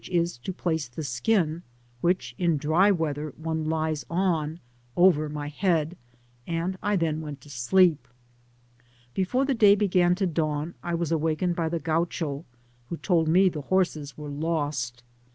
is, to place the dkiti which, in dty weather, one lies on, ovet toy head, and I then went to sleep. Before the day began to dawn I was awakened by the Gkiucho, who told me the horses were lost.